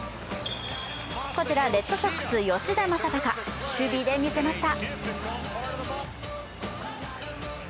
こちらはレッドソックス・吉田正尚守備で見せました。